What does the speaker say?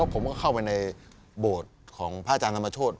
ผมก็เข้าไปในโบสถ์ของพระอาจารย์ธรรมโชธ